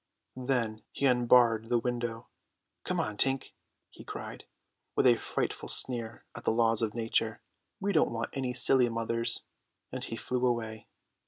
Then he unbarred the window. "Come on, Tink," he cried, with a frightful sneer at the laws of nature; "we don't want any silly mothers;" and he flew away.